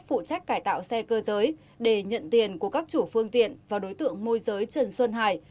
phụ trách cải tạo xe cơ giới để nhận tiền của các chủ phương tiện và đối tượng môi giới trần xuân hải